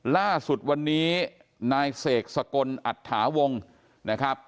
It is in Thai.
ล่าสุดวันนี้นายเสกสกลอัตถาวงนะครับ